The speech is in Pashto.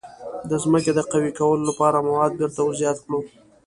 د ځمکې د قوي کولو لپاره مواد بیرته ور زیات کړو.